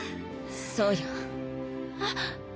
そうよ。えっ？